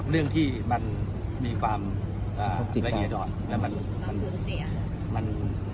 เรื่องที่มันมีความละเอียดอ่อน